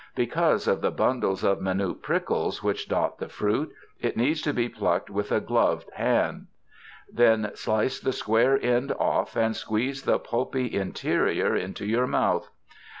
Because of the bundles of minute prickles which dot the fruit, it needs to be plucked with a gloved hand. Then slice the square end off, and squeeze the pulpy interior into your mouth.